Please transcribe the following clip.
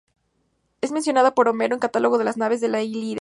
Es mencionada por Homero en el "Catálogo de las naves" de la "Ilíada".